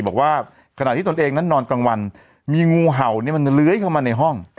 บอกว่าขนาดที่ตอบจริงงั้นนอนกลางวันมีงูเห่านี่มันเล้ยเข้ามาในห้อง